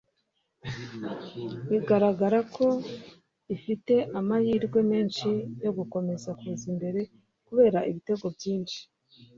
bigaragara ko ifite amahirwe menshi yo gukomeza kuza imbere kubera ibitego byinshi